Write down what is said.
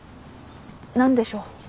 何でしょう。